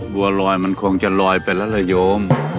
บัวลอยมันคงจะลอยไปแล้วระโยม